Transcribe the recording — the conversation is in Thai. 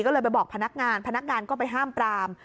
ก็เลยไปบอกพนักงานพนักงานก็ไปห้ามปราม